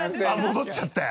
戻っちゃったよ。